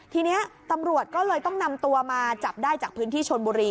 ทีนี้ตำรวจก็เลยต้องนำตัวมาจับได้จากพื้นที่ชนบุรี